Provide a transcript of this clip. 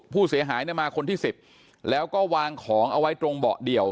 ผู้เสียหายเนี่ยมาคนที่๑๐แล้วก็วางของเอาไว้ตรงเบาะเดี่ยว